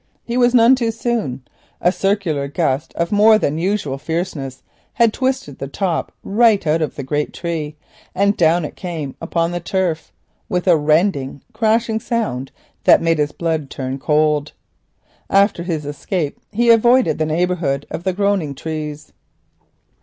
He was none too soon. A circular gust of more than usual fierceness had twisted the top right out of the great tree, and down it came upon the turf with a rending crashing sound that made his blood turn cold. After this escape he avoided the neighbourhood of the groaning trees.